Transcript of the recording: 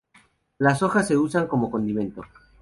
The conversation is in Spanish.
Las hojas se usan como condimento.